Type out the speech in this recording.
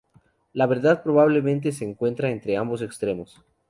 La verdad probablemente se encuentra entre ambos extremos.